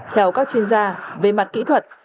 theo các chuyên gia về mặt kỹ thuật